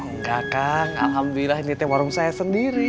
enggak kak alhamdulillah ini temwarung saya sendiri